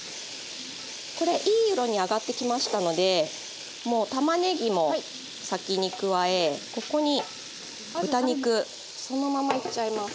これいい色に揚がってきましたのでもうたまねぎも先に加えここに豚肉そのままいっちゃいます。